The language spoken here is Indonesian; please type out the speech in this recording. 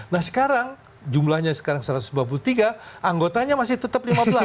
nah sekarang jumlahnya sekarang satu ratus dua puluh tiga anggotanya masih tetap lima belas